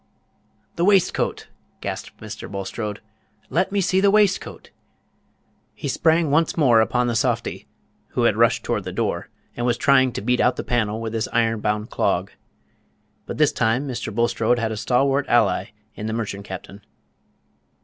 "The waistcoat!" gasped Mr. Bulstrode; "let me see the waistcoat!" He sprang once more upon the softy, who had rushed toward the door, and was trying to beat out the panel with his iron bound clog; but this time Mr. Bulstrode had a stalwart ally in the merchant captain.